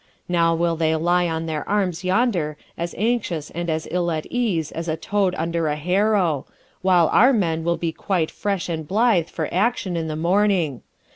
Now will they lie on their arms yonder as anxious and as ill at ease as a toad under a harrow, while our men will be quite fresh and blithe for action in the morning.